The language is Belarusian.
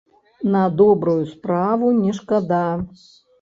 На добрую справу не шкада!